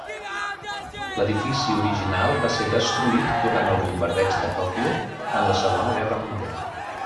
L'edifici original va ser destruït durant el bombardeig de Tòquio en la Segona Guerra Mundial.